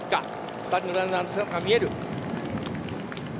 ２人のランナーの姿が見えます。